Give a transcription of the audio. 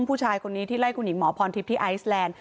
ผู้ชายคนนี้ที่ไล่คุณหญิงหมอพรทิพย์ที่ไอซแลนด์